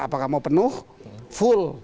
apakah mau penuh full